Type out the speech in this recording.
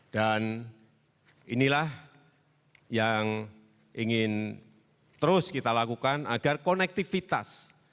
dan inilah yang ingin terus kita lakukan agar konektivitas